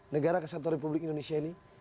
negara kesatuan republik indonesia ini